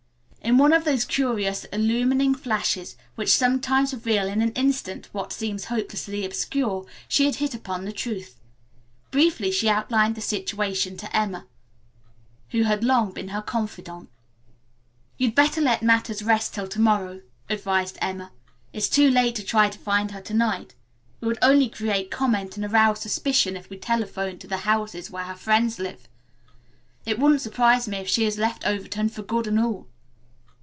In one of those curious, illumining flashes, which sometimes reveal in an instant what seems hopelessly obscure, she had hit upon the truth. Briefly she outlined the situation to Emma, who had long been her confidante. "You'd better let matters rest till to morrow," advised Emma. "It's too late to try to find her to night. We would only create comment and arouse suspicion if we telephone to the houses where her friends live. It wouldn't surprise me if she had left Overton for good and all."